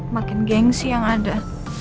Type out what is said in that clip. makin gengsi yang ada